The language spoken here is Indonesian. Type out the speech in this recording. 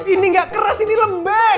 ini gak keras ini lembah